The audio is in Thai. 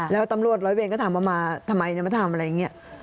แล้วตำรวจร้อยเวรก็ถามว่ามาทำไมจะมาทำอะไรอย่างนี้